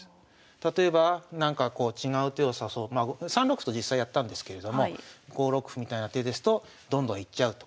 例えばなんかこう違う手を指そうまあ３六歩と実際やったんですけれども５六歩みたいな手ですとどんどんいっちゃうと。